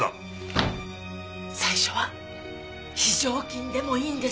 最初は非常勤でもいいんです。